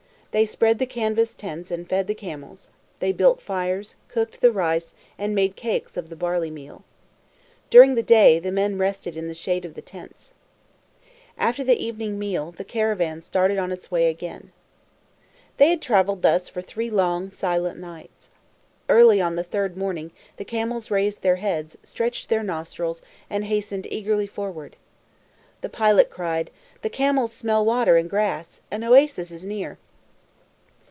They spread the canvas tents and fed the camels. They built fires, cooked the rice, and made cakes of the barley meal. During the day, the men rested in the shade of the tents. After the evening meal, the caravan started again on its way. They had traveled thus for three long, silent nights. Early on the third morning, the camels raised their heads, stretched their nostrils, and hastened eagerly forward. The pilot cried, "The camels smell water and grass. An oasis is near!"